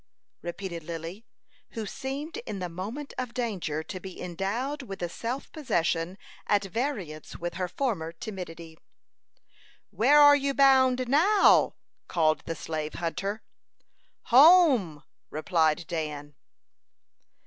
repeated Lily, who seemed, in the moment of danger, to be endowed with a self possession at variance with her former timidity. "Where you bound now?" called the slave hunter. "Home," replied Dan.